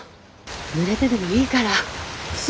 ぬれてでもいいから中入って。